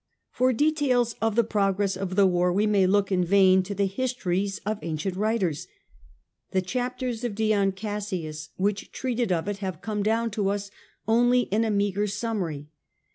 For details of the progress of the war we may look in vain to the histories of ancient writers. The ^^^ chapters of Dion Cassius which treated of it oftheVar have come down to us only in a meagre sum mary.